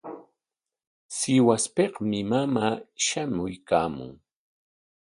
Sihuaspikmi maman shamuykaamun.